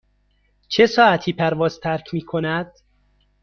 چه ساعتی پرواز ترک می کند؟